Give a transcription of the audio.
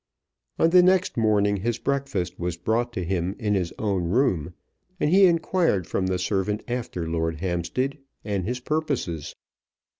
On the next morning his breakfast was brought to him in his own room, and he inquired from the servant after Lord Hampstead and his purposes.